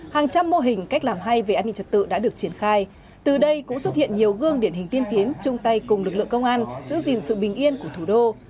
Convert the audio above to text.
hàng trăm mô hình cách làm hay về an ninh trật tự đã được triển khai từ đây cũng xuất hiện nhiều gương điển hình tiên tiến chung tay cùng lực lượng công an giữ gìn sự bình yên của thủ đô